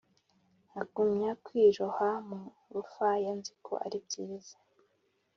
Nkagumya kwiroha mu rufaya nziko aribyiza